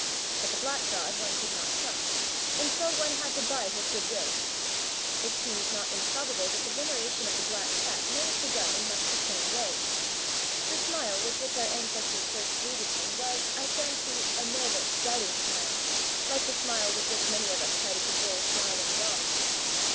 But the black god one could not trust, and so one had to buy his goodwill. It seems not improbable that the veneration of the black cat may have begun in much the same way. The smile with which our ancestors first greeted him was, I fancy, a nervous, doubting smile, like the smile with which many of us try to cajole snarling dogs.